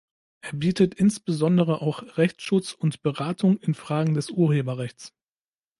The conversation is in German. Er bietet insbesondere auch Rechtsschutz und Beratung in Fragen des Urheberrechts.